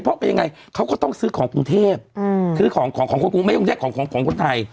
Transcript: เพราะก็ยังไงเขาก็ต้องซื้อของกรุงเทพฯก็คือของคนปุ๊บไม่ยิ่งเป็นของคนไทย